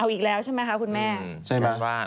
เอาอีกแล้วใช่ไหมคะคุณแม่ใช่ไหม